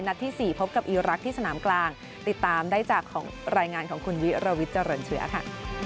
ที่๔พบกับอีรักษ์ที่สนามกลางติดตามได้จากรายงานของคุณวิรวิทย์เจริญเชื้อค่ะ